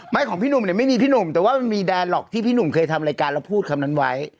ของพี่หนุ่มเนี่ยไม่มีพี่หนุ่มแต่ว่ามันมีแดนหรอกที่พี่หนุ่มเคยทำรายการแล้วพูดคำนั้นไว้